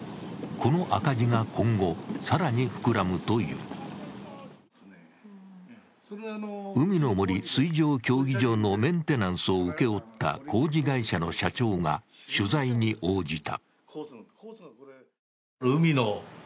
この赤字が今後、更に膨らむという海の森水上競技場のメンテナンスを請け負った工事会社の社長が取材に応じた。